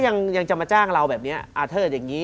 ยังจะมาจ้างเราแบบนี้อาเทิดอย่างนี้